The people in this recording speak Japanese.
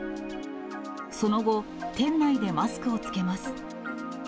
その後、店内でマスクを着けます。